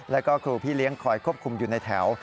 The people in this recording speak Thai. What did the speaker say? แล้วก็ครูพี่เลี้ยงคอยควบคุมอยู่ในแถว